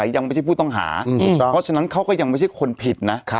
ยังไม่ใช่ผู้ต้องหาเพราะฉะนั้นเขาก็ยังไม่ใช่คนผิดนะ